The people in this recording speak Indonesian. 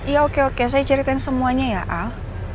ya oke oke saya ceritain semuanya ya al